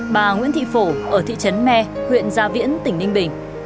bà nguyễn thị phổ ở thị trấn me huyện gia viễn tỉnh ninh bình